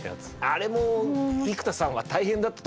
あれも生田さんは大変だったと思いますよ。